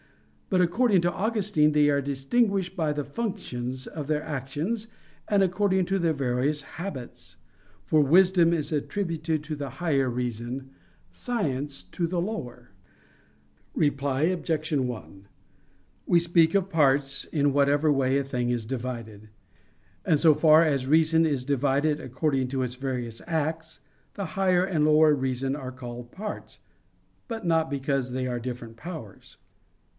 But according to Augustine they are distinguished by the functions of their actions, and according to their various habits: for wisdom is attributed to the higher reason, science to the lower. Reply Obj. 1: We speak of parts, in whatever way a thing is divided. And so far as reason is divided according to its various acts, the higher and lower reason are called parts; but not because they are different powers.